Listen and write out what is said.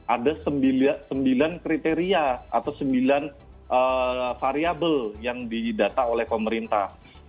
ada sembilan kriteria atau sembilan variable yang didata oleh pemerintah